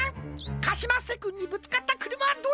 カシマッセくんにぶつかったくるまはどれじゃ？